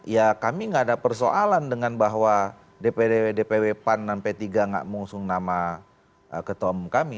ya kami nggak ada persoalan dengan bahwa dpw dpw pan dan p tiga nggak mengusung nama ketua umum kami